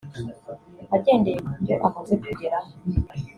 Agendeye ku byo amaze kugeraho